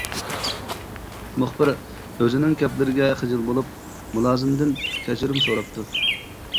مۇخبىر ئۆزىنىڭ گەپلىرىگە خىجىل بولۇپ، مۇلازىمدىن كەچۈرۈم سوراپتۇ.